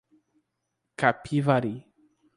Capivari